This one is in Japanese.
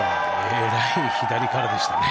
えらい左からでしたね。